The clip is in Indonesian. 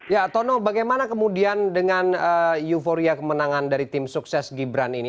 ya tono bagaimana kemudian dengan euforia kemenangan dari tim sukses gibran ini